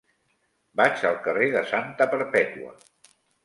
Vaig al carrer de Santa Perpètua.